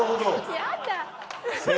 やだ！